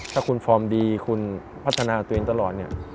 ถ้าคุณฟอร์มดีคุณพัฒนาตัวเองตลอดเนี่ย